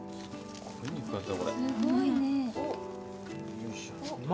よいしょ。